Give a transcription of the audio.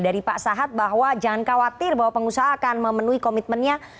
dari mbak dmersahat bahwa jangan khawatir pengusaha akan memenuhi komitmennya